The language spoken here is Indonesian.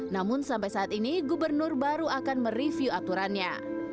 namun sampai saat ini gubernur baru akan mereview aturannya